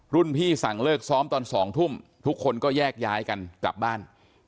พี่สั่งเลิกซ้อมตอน๒ทุ่มทุกคนก็แยกย้ายกันกลับบ้าน